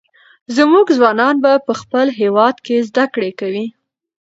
زموږ ځوانان به په خپل هېواد کې زده کړې کوي.